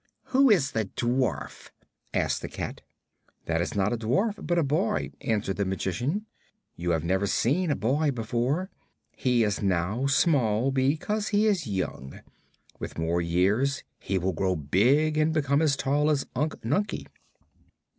"Who is the dwarf?" asked the cat. "That is not a dwarf, but a boy," answered the Magician. "You have never seen a boy before. He is now small because he is young. With more years he will grow big and become as tall as Unc Nunkie."